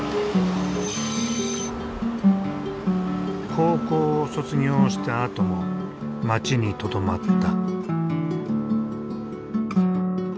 高校を卒業したあとも町にとどまった。